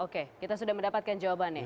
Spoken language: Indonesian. oke kita sudah mendapatkan jawabannya